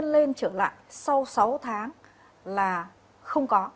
lên trở lại sau sáu tháng là không có